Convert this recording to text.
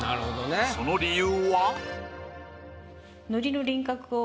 その理由は？